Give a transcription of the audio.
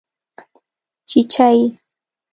🐤چېچۍ